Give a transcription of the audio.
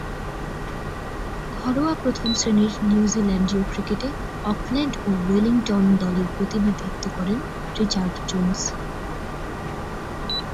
ঘরোয়া প্রথম-শ্রেণীর নিউজিল্যান্ডীয় ক্রিকেটে অকল্যান্ড ও ওয়েলিংটন দলের প্রতিনিধিত্ব করেন রিচার্ড জোন্স।